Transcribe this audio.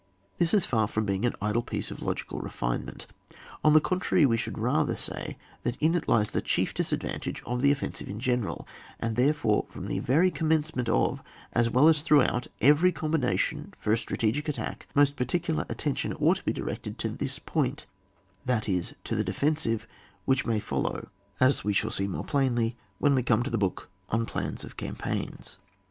This is far from being an idle piece of logical refinement, on the contrary we should rather say that in it lies the chief disadvantage of tlie offensive in general, and therefore from the very commence ment of, as well as throughout every combination for a strategic attack, most particular attention ought to be directed to this point, that is to the defensive, which may follow, as we shall see more plainly when we come to the book on plans of campaigns.